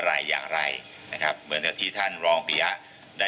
ใร่อย่างไรนะครับเหมือนกันที่ท่านลองเบี้ยได้